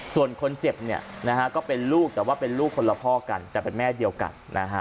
ส่วนคนเจ็บเนี่ยนะฮะก็เป็นลูกแต่ว่าเป็นลูกคนละพ่อกันแต่เป็นแม่เดียวกันนะฮะ